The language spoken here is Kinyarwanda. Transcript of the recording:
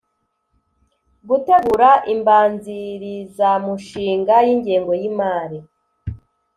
Gutegura imbanzirizamushinga y ingengo y imari